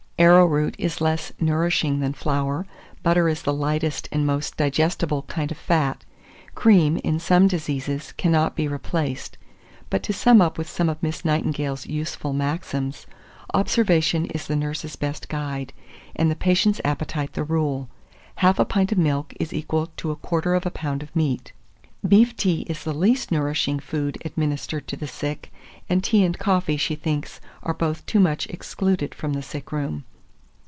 Arrowroot is less nourishing than flour. Butter is the lightest and most digestible kind of fat. Cream, in some diseases, cannot be replaced. But, to sum up with some of Miss Nightingale's useful maxims: Observation is the nurse's best guide, and the patient's appetite the rule. Half a pint of milk is equal to a quarter of a pound of meat. Beef tea is the least nourishing food administered to the sick; and tea and coffee, she thinks, are both too much excluded from the sick room.